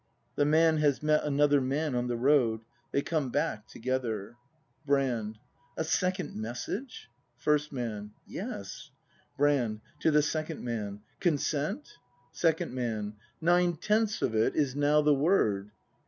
[The Man has met another man on the road; they come back togetlier. Brand. A second message ! *o^ First Man. Yes. Brand. {To the Second Man.] Consent ? ACT III] BRAND 119 Second Man. Nine tenths of it is now the word.